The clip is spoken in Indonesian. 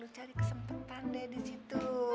nah lo cari kesempatan deh di situ